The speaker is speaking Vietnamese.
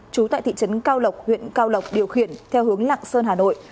trú tại thị trấn cao lộc huyện cao lộc điều khiển theo hướng lạng sơn hà nội